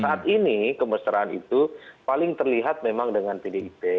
saat ini kemesraan itu paling terlihat memang dengan pdip